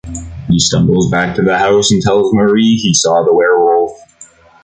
He stumbles back to the house and tells Marie he saw the werewolf.